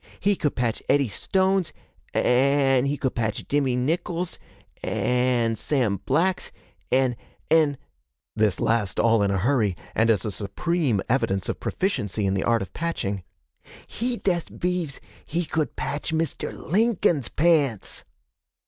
He could patch Eddy Stone's, a a n' he could patch Jimmie Nickle's, a a a n' Sam Black's, an' an'' this last all in a hurry, and as a supreme evidence of proficiency in the art of patching 'he dest b'ieves he could patch Mr. Lincoln's pants!'